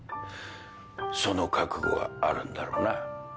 その覚悟はあるんだろうな？